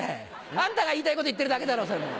あんたが言いたいこと言ってるだけだろう。